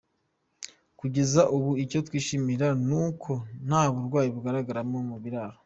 Kugeza ubu icyo twishimira nuko nta burwayi buragaragara mu biraro.